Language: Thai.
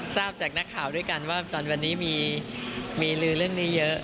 ทราบจากนักข่าวด้วยกันว่าวันนี้มีลือเรื่องนี้เยอะ